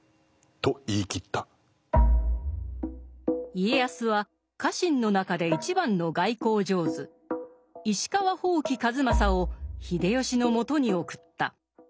家康は家臣の中で一番の外交上手石川伯耆数正を秀吉の元に送った。